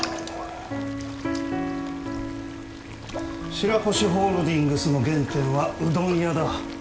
白越ホールディングスの原点はうどん屋だ。